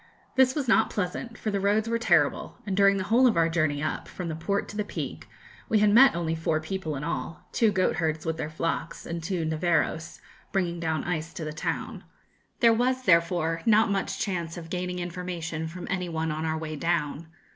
This was not pleasant, for the roads were terrible, and during the whole of our journey up, from the port to the Peak, we had met only four people in all two goatherds with their flocks, and two 'neveros,' bringing down ice to the town. There was therefore not much chance of gaining information from any one on our way down.